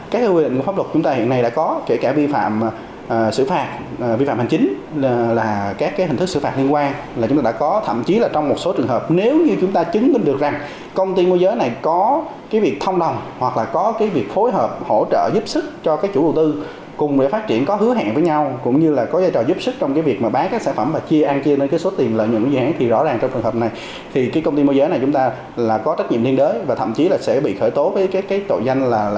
các cái quy định của pháp luật chúng ta hiện nay đã có kể cả vi phạm xử phạt vi phạm hành chính là các cái hình thức xử phạt liên quan là chúng ta đã có thậm chí là trong một số trường hợp nếu như chúng ta chứng minh được rằng công ty môi giới này có cái việc thông đồng hoặc là có cái việc phối hợp hỗ trợ giúp sức cho cái chủ đầu tư cùng để phát triển có hứa hẹn với nhau cũng như là có giai trò giúp sức trong cái việc mà bán các sản phẩm và chia ăn chia lên cái số tiền lợi nhuận của dự án thì rõ ràng trong trường hợp này thì cái công ty môi giới này chúng ta là có trách nhiệm thiên đới và thậm chí là